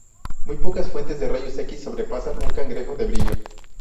Muy pocas fuentes de rayos X sobrepasan un Cangrejo de brillo.